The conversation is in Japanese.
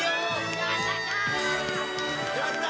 やった！